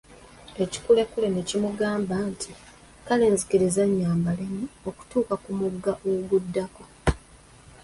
Ekikulekule ne kimugamba nti, Kale nzikiriza nnyambalemu okutuuka ku mugga oguddako.